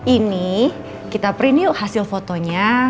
ini kita print yuk hasil fotonya